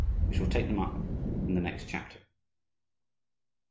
We shall take them up in the next chapter.